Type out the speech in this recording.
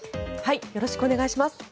よろしくお願いします。